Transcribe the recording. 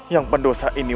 yang pendosa ini